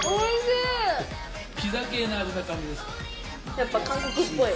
やっぱ韓国っぽい。